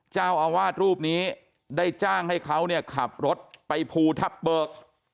เจ้าอาวาสรูปนี้ได้จ้างให้เขาเนี่ยขับรถไปภูทับเบิก